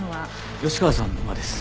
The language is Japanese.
吉川さんの馬です。